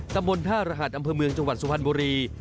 ตำบลท่ารหัสอำเภอเมืองจังหวัดสุพรรณบุรี